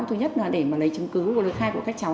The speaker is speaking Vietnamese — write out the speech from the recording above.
thứ nhất là để mà lấy chứng cứ của lực khai của các cháu